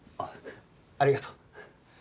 あありがとう。